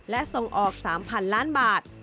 และส่งออก๓๐๐๐ล้านบาท